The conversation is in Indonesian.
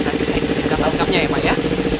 nanti saya bikin kata lengkapnya ya pak ya